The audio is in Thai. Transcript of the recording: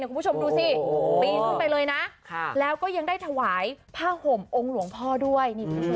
คุณผู้ชมดูสิปีนขึ้นไปเลยนะแล้วก็ยังได้ถวายผ้าห่มองค์หลวงพ่อด้วย